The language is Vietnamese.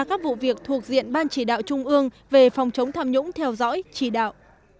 các vụ việc thuộc diện ban chỉ đạo trung ương về phòng chống tham nhũng theo dõi chỉ đạo